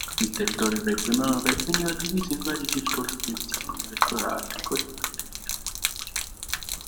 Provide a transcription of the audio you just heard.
Il territorio regionale veniva diviso in varie circoscrizioni elettorali corrispondenti alle province.